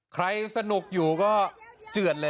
สนุกอยู่ก็เจือดเลย